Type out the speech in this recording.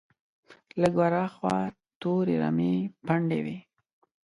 لږ ور هاخوا تورې رمې پنډې وې.